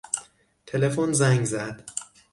تلفن زنگ زد.